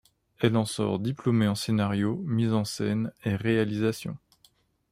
Elle en sort diplômée en scénario, mise en scène et réalisation.